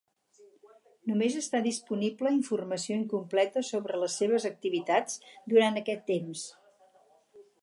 Només està disponible informació incompleta sobre les seves activitats durant aquest temps.